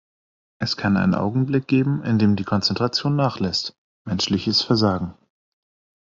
Es kann einen Augenblick geben, in dem die Konzentration nachlässt, menschliches Versagen.